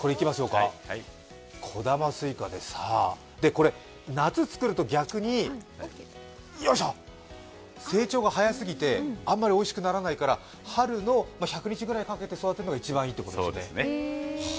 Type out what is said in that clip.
これ、夏、作ると逆に成長が早すぎてあんまりおいしくならないから春の１００日くらいかけて育てるのが一番いいということですね。